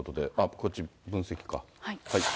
こっち、分析か。